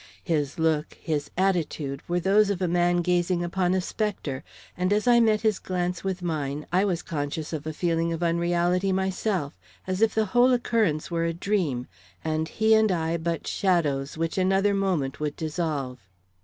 His look, his attitude were those of a man gazing upon a spectre, and as I met his glance with mine, I was conscious of a feeling of unreality myself, as if the whole occurrence were a dream, and he and I but shadows which another moment would dissolve.